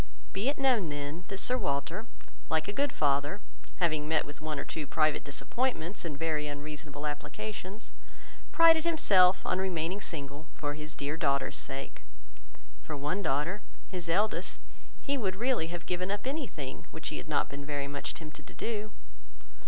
Be it known then, that Sir Walter, like a good father, (having met with one or two private disappointments in very unreasonable applications), prided himself on remaining single for his dear daughters' sake. For one daughter, his eldest, he would really have given up any thing, which he had not been very much tempted to do.